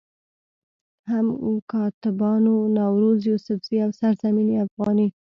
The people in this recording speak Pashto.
هم کاتبانو نوروز يوسفزئ، او سرزمين افغاني